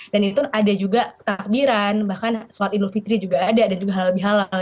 dan itu ada juga takbiran bahkan solat idul fitri juga ada dan juga halal bihalal